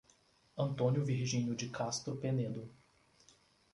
Antônio Virginio de Castro Penedo